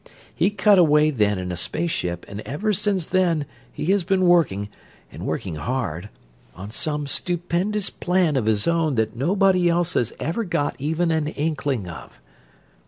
He cut away then in a space ship, and ever since then he has been working and working hard on some stupendous plan of his own that nobody else has ever got even an inkling of.